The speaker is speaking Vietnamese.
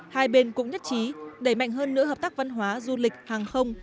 hai bên cũng nhất trí đẩy mạnh hơn nữa hợp tác văn hóa du lịch hàng không